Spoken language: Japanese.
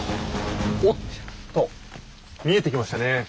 おっと見えてきましたね。